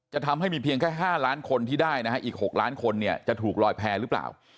ทำให้มีเพียงแค่๕ล้านคนที่ได้นะฮะอีก๖ล้านคนเนี่ยจะถูกลอยแพร่หรือเปล่า